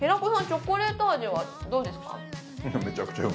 チョコレート味はどうですか？